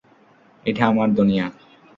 এটা আমার দুনিয়া।